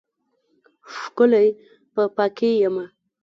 ښکلی په پاکۍ یمه